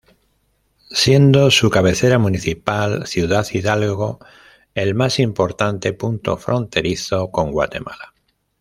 Siendo su cabecera municipal, Ciudad Hidalgo el más importante punto fronterizo con Guatemala.